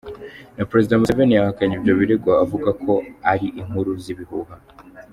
Na Perezida Museveni yahakanye ibyo birego, avuga ko ari "inkuru z'ibihuha.